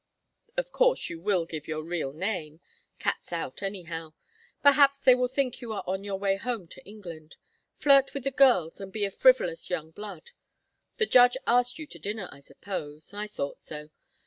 Of course you will give your real name. Cat's out, anyhow. Perhaps they will think you are on your way home to England. Flirt with the girls and be a frivolous young blood. The judge asked you to dinner, I suppose? I thought so.